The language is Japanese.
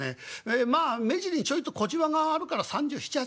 まあ目尻にちょいと小じわがあるから３７３８かな？